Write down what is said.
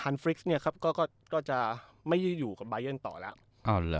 เนี่ยครับก็ก็ก็จะไม่อยู่กับต่อแล้วอ๋อเหรอ